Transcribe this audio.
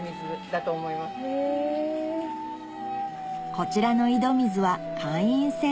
こちらの井戸水は会員制